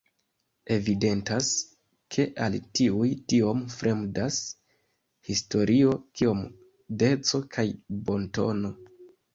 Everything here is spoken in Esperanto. Evidentas, ke al tiuj tiom fremdas historio kiom deco kaj bontono.